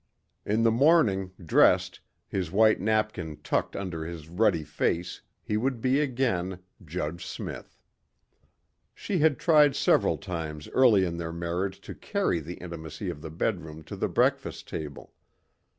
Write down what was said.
In the morning, dressed, his white napkin tucked under his ruddy face he would be again Judge Smith. She had tried several times early in their marriage to carry the intimacy of the bedroom to the breakfast table.